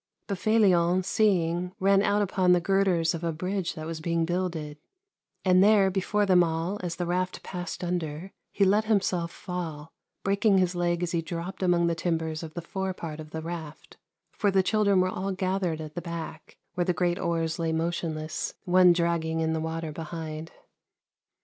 But Felion, seeing, ran out upon the girders of a bridge that v/as being builded, and there, before them all, as the raft passed under, he let himself fall, breaking his leg as he dropped among the timbers of the fore part of the raft ; for the children were all gathered at the back, where the great oars lay motionless, one dragging in the water behind.